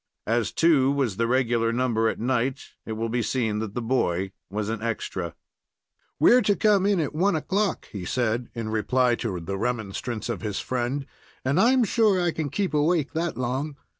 As two was the regular number at night, it will be seen that the boy was an extra. "We're to come in at one o'clock," he said, in reply to the remonstrance of his friend, "and I'm sure I can keep awake that long.